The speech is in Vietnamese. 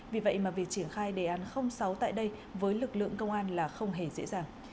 vì vậy mà việc triển khai đề án sáu tại đây với lực lượng công an là không hề dễ dàng